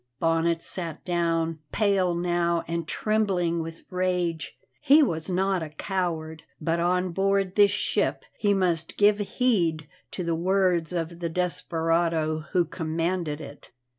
Bonnet sat down, pale now and trembling with rage. He was not a coward, but on board this ship he must give heed to the words of the desperado who commanded it.